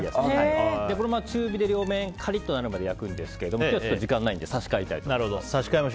このまま強火で両面カリッとなるまで焼くんですが今日は時間がないので差し替えたいと思います。